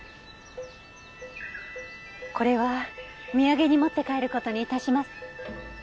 これは土産に持って帰ることにいたします。